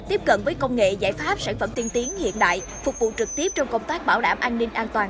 tiếp cận với công nghệ giải pháp sản phẩm tiên tiến hiện đại phục vụ trực tiếp trong công tác bảo đảm an ninh an toàn